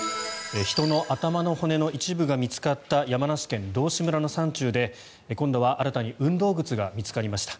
人の頭の骨の一部が見つかった山梨県道志村の山中で今度は新たに運動靴が見つかりました。